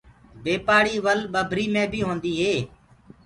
بي پآڙيِ ول ٻڀري مي بي هوندي هي۔